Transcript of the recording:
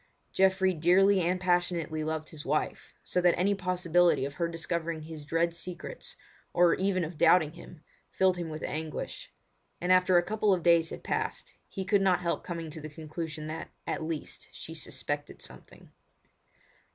Geoffrey dearly and passionately loved his wife, so that any possibility of her discovering his dread secrets, or even of doubting him, filled him with anguish; and after a couple of days had passed, he could not help coming to the conclusion that, at least, she suspected something.